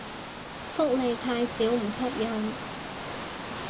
福利太少唔吸引